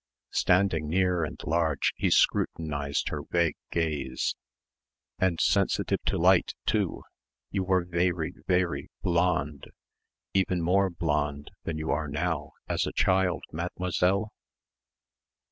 Standing near and large he scrutinised her vague gaze. "And sensitive to light, too. You were vairy, vairy blonde, even more blonde than you are now, as a child, mademoiselle?"